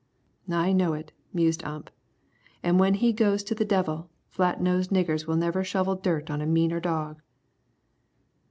"I know it," mused Ump, "an' when he goes to the devil, flat nosed niggers will never shovel dirt on a meaner dog."